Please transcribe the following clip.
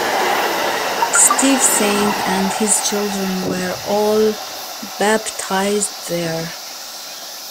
Steve Saint and his children were all baptized there.